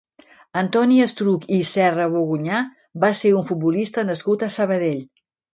Antoni Estruch i Serrabogunyà va ser un futbolista nascut a Sabadell.